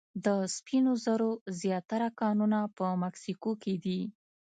د سپینو زرو زیاتره کانونه په مکسیکو کې دي.